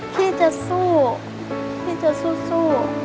พี่จะสู้พี่จะสู้